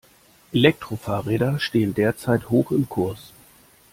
Elektrofahrräder stehen derzeit hoch im Kurs.